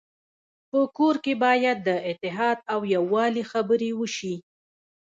په کور کي باید د اتحاد او يووالي خبري وسي.